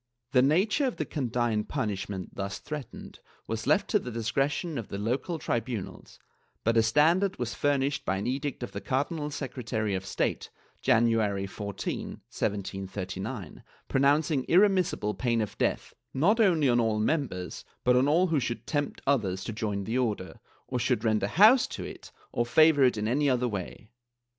The nature of the condign punishment thus threatened was left to the discretion of the local tribunals, but a standard was furnished by an edict of the Cardinal Secretary of State, January 14, 1739, pronouncing irremissible pain of death, not only on all members but on all who should tempt others to join the Order, or should rent a house to it or favor it in any other way.